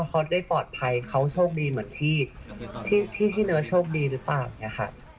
ว่าเขาเป็นใครปลอดภัยเขาโชคดีเหมือนที่ที่เนื้อโชคดีหรือเปล่าค่ะ